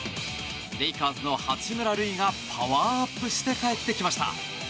レイカーズの八村塁がパワーアップして帰ってきました。